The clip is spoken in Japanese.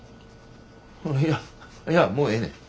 いやいやもうええねん。